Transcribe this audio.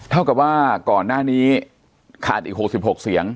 เท่ากับว่าก่อนหน้านี้ขาดอีก๖๖เสียง